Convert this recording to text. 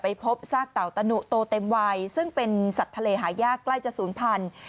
พบซากเต่าตะหนุโตเต็มวัยซึ่งเป็นสัตว์ทะเลหายากใกล้จะศูนย์พันธุ์